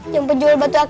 yang penjual batu